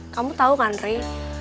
kamu tau kan ray